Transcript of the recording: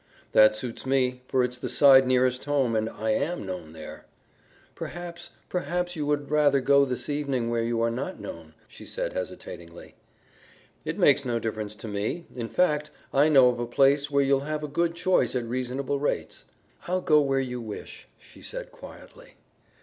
"That suits me, for it's the side nearest home and I AM known there." "Perhaps perhaps you also would rather go this evening where you are not known," she said hesitatingly. "It makes no difference to me. In fact I know of a place where you'll have a good choice at reasonable rates." "I'll go where you wish," she said quietly.